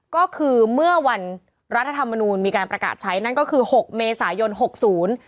ก็คือเมื่อวันรัฐธรรมนูญมีการประกาศใช้นั่นก็คือหกเมษายนหกศูนย์